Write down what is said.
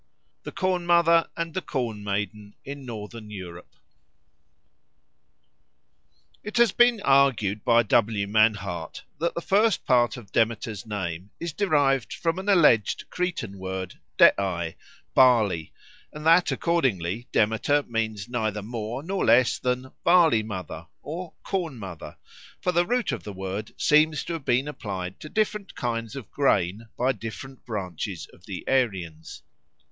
The Corn Mother and the Corn Maiden in Northern Europe IT has been argued by W. Mannhardt that the first part of Demeter's name is derived from an alleged Cretan word deai, "barley," and that accordingly Demeter means neither more nor less than "Barley mother" or "Corn mother"; for the root of the word seems to have been applied to different kinds of grain by different branches of the Aryans.